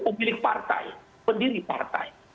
pemilik partai pendiri partai